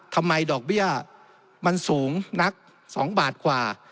ดอกเบี้ยมันสูงนัก๒บาทกว่า